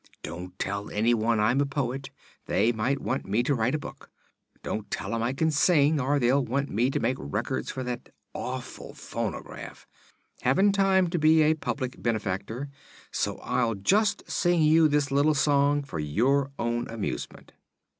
Don't tell anyone I'm a poet; they might want me to write a book. Don't tell 'em I can sing, or they'd want me to make records for that awful phonograph. Haven't time to be a public benefactor, so I'll just sing you this little song for your own amusement."